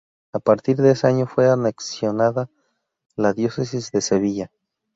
A partir de ese año fue anexionada la diócesis de Sevilla.